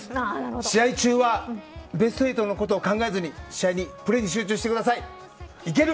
試合中はベスト８のことを考えずにプレーに集中してください。